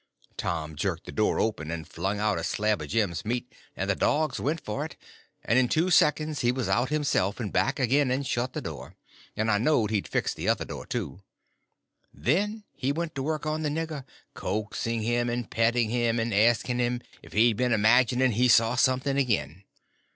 Tom jerked the door open and flung out a slab of Jim's meat, and the dogs went for it, and in two seconds he was out himself and back again and shut the door, and I knowed he'd fixed the other door too. Then he went to work on the nigger, coaxing him and petting him, and asking him if he'd been imagining he saw something again.